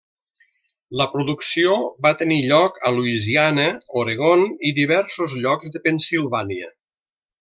La producció va tenir lloc a Louisiana, Oregon i diversos llocs de Pennsilvània.